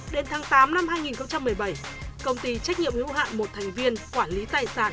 đến tháng tám năm hai nghìn một mươi bảy công ty trách nhiệm hữu hạn một thành viên quản lý tài sản